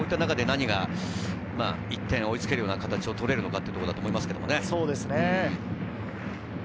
こういった中で何か１点追いつけるような形を取れるのかというところだと思います。